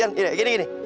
jan gini gini